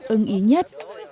ưng ý nhất